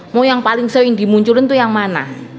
mau yang paling sering dimunculin tuh yang mana